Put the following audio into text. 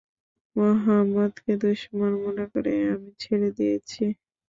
মুহাম্মাদকে দুশমন মনে করা আমি ছেড়ে দিয়েছি।